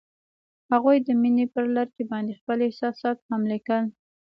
هغوی د مینه پر لرګي باندې خپل احساسات هم لیکل.